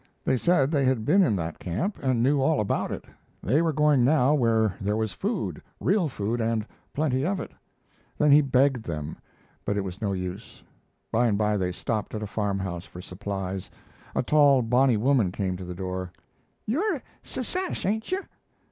They said they had been in that camp and knew all about it. They were going now where there was food real food and plenty of it. Then he begged them, but it was no use. By and by they stopped at a farm house for supplies. A tall, bony woman came to the door: "You're secesh, ain't you?"